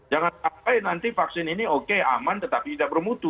jangan sampai nanti vaksin ini oke aman tetapi tidak bermutu